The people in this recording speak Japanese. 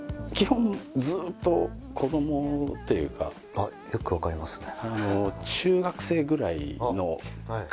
あっよく分かりますね。